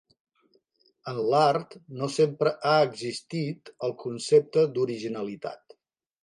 En l'art no sempre ha existit el concepte d'originalitat.